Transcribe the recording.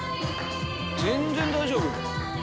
全然大丈夫。